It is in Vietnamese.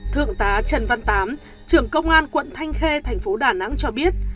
thượng tá trần văn tám trưởng công an quận thanh khê thành phố đà nẵng cho biết